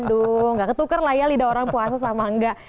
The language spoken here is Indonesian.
tidak ketukar lah ya lidah orang puasa sama enggak